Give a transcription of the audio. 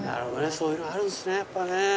そういうのあるんですねやっぱね。